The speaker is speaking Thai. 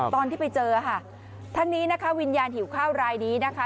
ตอนที่ไปเจอค่ะทั้งนี้นะคะวิญญาณหิวข้าวรายนี้นะคะ